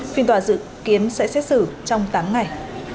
phiên tòa dự kiến sẽ xét xử trong tám ngày